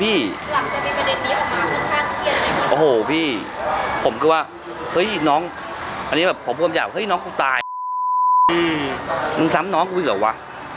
พี่โอ้โหพี่ผมคือว่าเฮ้ยน้องอันเนี้ยแบบขอบคุณคุณตายนึงซ้ำน้องกูอีกเหรอวะ